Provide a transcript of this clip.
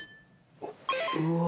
うわ。